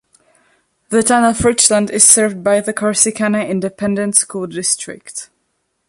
The Town of Richland is served by the Corsicana Independent School District.